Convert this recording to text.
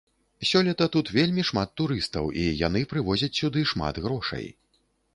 Сёлета тут вельмі шмат турыстаў, і яны прывозяць сюды шмат грошай.